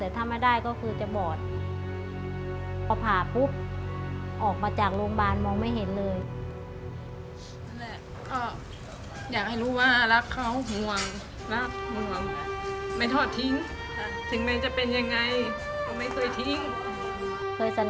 ออกมาจากโรงพยาบาลมองไม่เห็นเลย